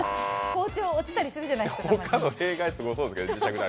包丁落ちたりするじゃないですか。